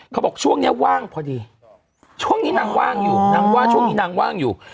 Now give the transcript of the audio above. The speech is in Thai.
เขาบอกช่วงนี้ว่างพอดีช่วงนี้นางว่างอยู่นางว่าช่วงนี้นางว่างอยู่